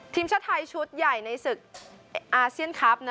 ทีมชาติไทยชุดใหญ่ในศึกอาเซียนคลับ